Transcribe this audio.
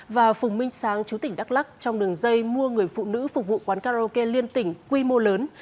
và phùng minh sáng chú tỉnh đắk lắc trong đường dây mua người phụ nữ phục vụ quán karaoke liên tỉnh quy mô lớn